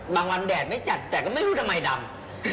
วันแดดไม่จัดแต่ก็ไม่รู้ทำไมดำ